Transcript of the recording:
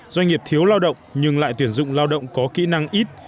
doanh nghiệp thiếu lao động nhưng lại tuyển dụng lao động có kỹ năng ít